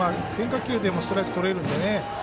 変化球でもストライクとれるので。